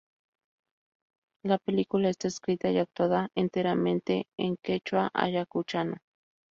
La película está escrita y actuada enteramente en quechua ayacuchano.